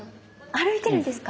歩いてるんですか？